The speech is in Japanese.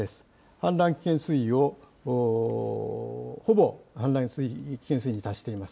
氾濫危険水位を、ほぼ氾濫危険水位に達しています。